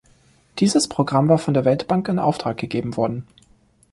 Dieses Programm war von der Weltbank in Auftrag gegeben worden.